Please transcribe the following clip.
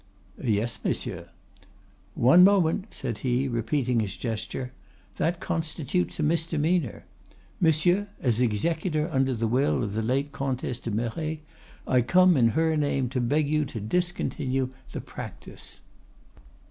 "'Yes, monsieur.' "'One moment!' said he, repeating his gesture. 'That constitutes a misdemeanor. Monsieur, as executor under the will of the late Comtesse de Merret, I come in her name to beg you to discontinue the practice.